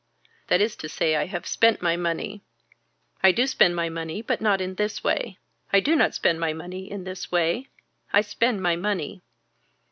That is to say I have spent my money. I do spend my money but not in this way. I do not spend my money in this way. I spend my money.